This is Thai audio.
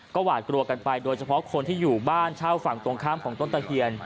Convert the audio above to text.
หวาดกลัวกันไปโดยเฉพาะคนที่อยู่บ้านเช่าฝั่งตรงข้ามของต้นตะเคียน